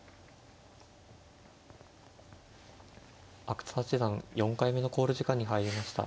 阿久津八段４回目の考慮時間に入りました。